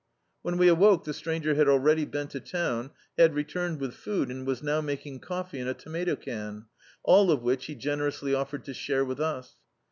When we awoke the stranger had already been to town, had returned with food, and was now making coffee in a tomato can, all of which he generously offered to share with us.